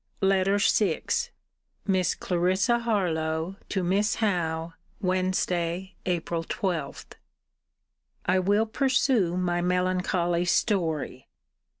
LETTER VI MISS CLARISSA HARLOWE, TO MISS HOWE WEDNESDAY, APRIL 12. I will pursue my melancholy story.